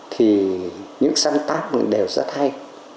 thì những sáng tác đều rất hay